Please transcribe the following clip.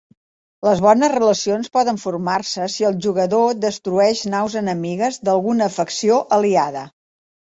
Les bones relacions poden formar-se si el jugador destrueix naus enemigues d'alguna facció aliada.